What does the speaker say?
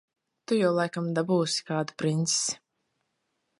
Tu jau laikam dabūsi kādu princesi.